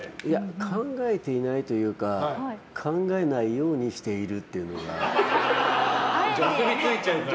考えていないというか考えないようにしているというのが。